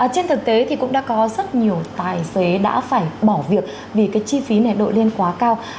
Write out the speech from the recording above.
trên thực tế thì cũng đã có rất nhiều tài xế đã phải bỏ việc vì cái chi phí này đội lên quá cao